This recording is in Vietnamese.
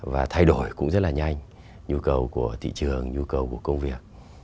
và thay đổi cũng rất là nhanh nhu cầu của thị trường nhu cầu của công việc